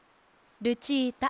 ルチータ。